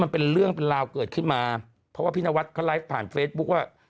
มันเป็นเรื่องเป็นราวเกิดขึ้นมาเพราะว่าพี่นวัดเขาไลฟ์ผ่านเฟซบุ๊คว่า